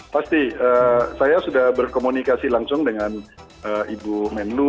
pasti saya sudah berkomunikasi langsung dengan ibu menlu